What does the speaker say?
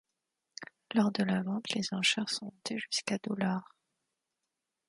Lors de la vente, les enchères sont montées jusqu'à dollars.